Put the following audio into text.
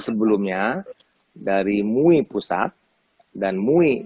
sebelumnya dari mui pusat dan mui